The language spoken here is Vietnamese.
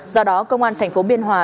do đó công an thành phố biên hòa